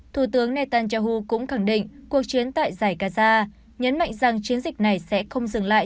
thủ tướng netanyahu cũng khẳng định cuộc chiến tại giải gaza nhấn mạnh rằng chiến dịch này sẽ không dừng lại